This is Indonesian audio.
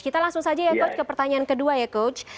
kita langsung saja ya coach ke pertanyaan kedua ya coach